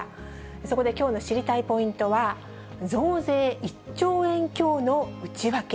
そこできょうの知りたいポイントは、増税１兆円強の内訳。